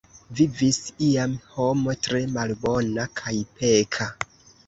Vivis iam homo tre malbona kaj peka.